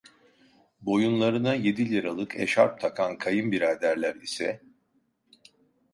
Boyunlarına yedi liralık eşarp takan kayınbiraderler ise: